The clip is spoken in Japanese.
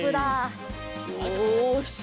よし。